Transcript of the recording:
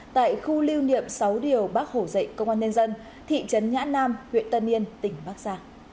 tại khu lưu niệm sáu điều bác hổ dạy công an nhân dân thị trấn nhã nam huyện tân yên tỉnh bắc giang